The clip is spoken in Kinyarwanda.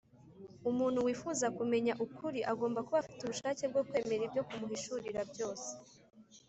umuntu wifuza kumenya ukuri agomba kuba afite ubushake bwo kwemera ibyo kumuhishurira byose